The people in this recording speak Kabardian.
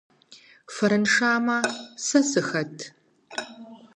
Фэрыншамэ, сэ сыхэт?